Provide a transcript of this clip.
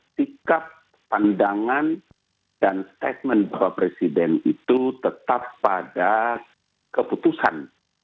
sikap pandangan dan statement bapak presiden itu tetap pada keputusan